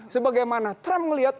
sebagaimana trump melihat